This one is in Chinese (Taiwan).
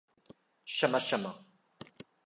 什麼什麼